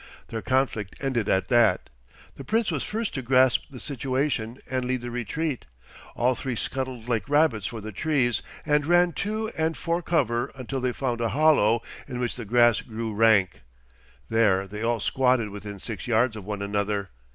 Their conflict ended at that. The Prince was first to grasp the situation and lead the retreat. All three scuttled like rabbits for the trees, and ran to and for cover until they found a hollow in which the grass grew rank. There they all squatted within six yards of one another.